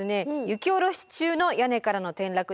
雪おろし中の屋根からの転落です。